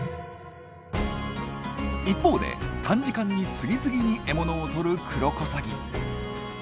一方で短時間に次々に獲物をとるクロコサギ。